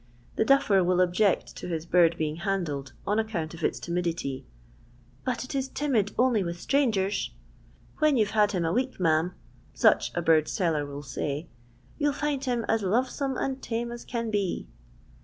The duffer will object to his bird being handled on account of its timidity; " but it is timid only with strangers t" When you 'ye had him a week, ma'am," such a bird seller will say, " you '11 find him as loyesome and tame as can be."